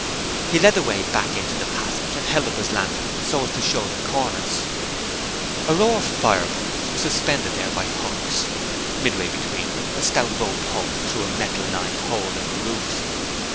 He led the way back into the passage, and held up his lantern so as to show the cornice. A row of fire buckets was suspended there by books. Midway between them, a stout rope hung through a metal lined hole in the roof.